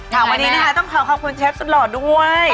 ค่ะวันนี้นะคะต้องขอขอบคุณเชฟสุดหล่อด้วย